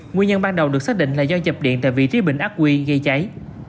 nguyên nhân ban đầu được xác định là do chập điện tại vị trí bình ác quy gây cháy